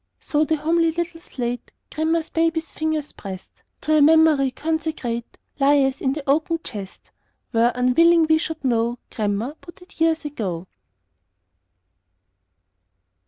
So the homely little slate Grandma's baby's fingers pressed, To a memory consecrate, Lieth in the oaken chest, Where, unwilling we should know, Grandma put it, years ago.